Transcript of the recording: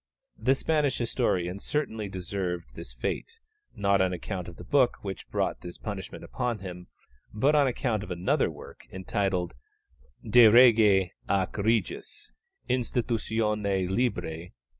The Spanish historian certainly deserved this fate, not on account of the book which brought this punishment upon him, but on account of another work, entitled _De Rege ac Regis institutione Libri iii.